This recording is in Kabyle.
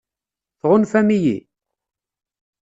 Tɣunfam-iyi?